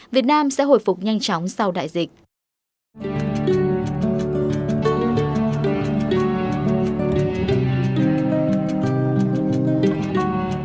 việt nam sẽ hồi phục nhanh chóng sau đại dịch